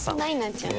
ちゃん。